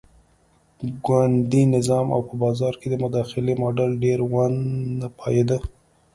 ګوندي نظام او په بازار کې د مداخلې ماډل ډېر ونه پایېد.